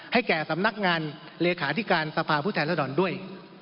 ให้แก่สำนักงานเลขาธิการสภาพุทธรรษฎรด้วย